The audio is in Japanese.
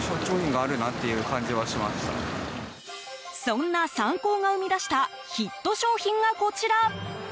そんなサンコーが生み出したヒット商品がこちら。